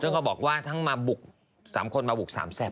ซึ่งเขาบอกว่าทั้งมาบุก๓คนมาบุกสามแซ่บ